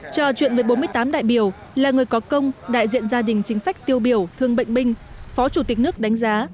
trò chuyện với bốn mươi tám đại biểu là người có công đại diện gia đình chính sách tiêu biểu thương bệnh binh phó chủ tịch nước đánh giá